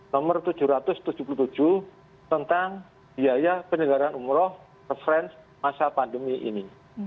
nomor tujuh ratus tujuh puluh tujuh tentang biaya penyelenggaraan umroh reference masa pandemi ini